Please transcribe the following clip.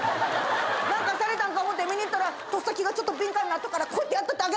何かされたんか思て見に行ったら突先がちょっと敏感になってたからこうやってやっただけ。